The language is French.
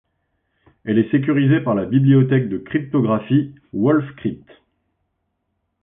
Elle est sécurisée par la bibliothèque de cryptographie wolfCrypt.